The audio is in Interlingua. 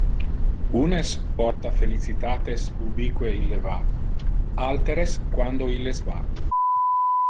Unes porta felicitates ubique ille va, alteres quando illes va.